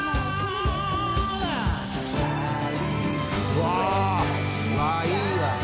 うわいいわ。